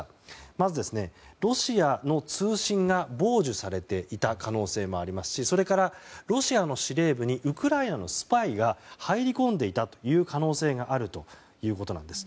まず、ロシアの通信が傍受されていた可能性もありますしそれからロシアの司令部にウクライナのスパイが入り込んでいたという可能性があるということです。